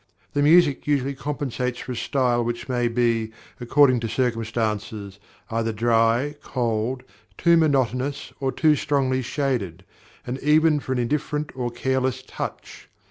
The music usually compensates for a style which may be, according to circumstances, either dry, cold, too monotonous or too strongly shaded, and even for an indifferent or careless touch.